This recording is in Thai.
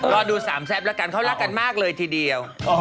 รอดูสามแซ่บแล้วกันเขารักกันมากเลยทีเดียว